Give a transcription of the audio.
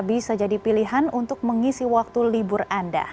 bisa jadi pilihan untuk mengisi waktu libur anda